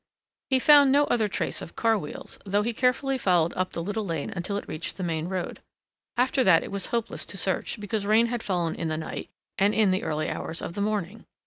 He found no other trace of car wheels though he carefully followed up the little lane until it reached the main road. After that it was hopeless to search because rain had fallen in the night and in the early hours of the morning.